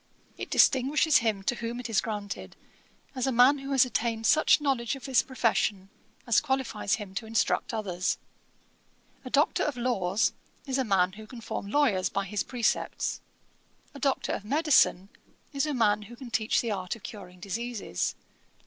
It distinguishes him to whom it is granted, as a man who has attained such knowledge of his profession as qualifies him to instruct others. A Doctor of Laws is a man who can form lawyers by his precepts. A Doctor of Medicine is a man who can teach the art of curing diseases.